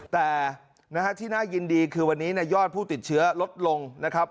แต่ที่น่ายินดีคือวันนี้ยอดผู้ติดเชื้อลดลงนะครับ